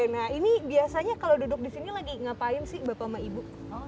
nah ini biasanya kalau duduk di sini lagi ngapain sih bapak sama ibu